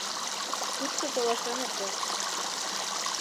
«Тушто толашеныт дыр.